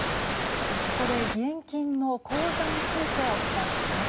ここで義援金の口座についてお伝えします。